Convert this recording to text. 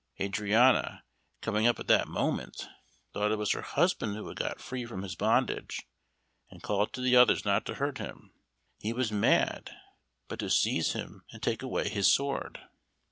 Adriana, coming up at that moment, thought it was her husband who had got free from his bondage, and called to the others not to hurt him, he was mad, but to seize him and take away his sword.